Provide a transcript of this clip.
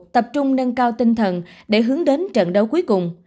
tập trung nâng cao tinh thần để hướng đến trận đấu cuối cùng